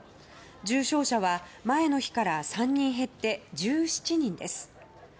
重症者は前の日から３人減って１７人です。